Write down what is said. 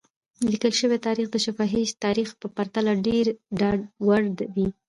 لیکل شوی تاریخ د شفاهي تاریخ په پرتله ډېر د ډاډ وړ وي.